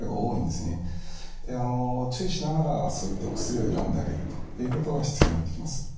であの注意しながらそういったお薬を選んであげるということが必要になっていきます。